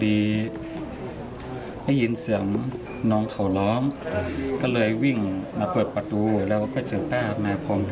ได้ยินเสียงฟืนไหม